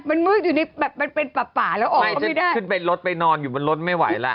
มันมืดอยู่ในแบบมันเป็นป่าป่าแล้วออกไปไม่ได้ขึ้นไปรถไปนอนอยู่บนรถไม่ไหวล่ะ